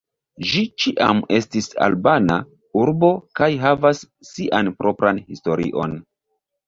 Ĝi ĉiam estis albana urbo kaj havas sian propran historion.